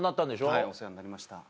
はいお世話になりました。